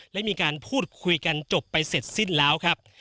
และมีการพูดคุยกันจบไปเสร็จสิ้นแล้วครับ